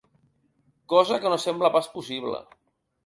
Cosa que no sembla pas possible.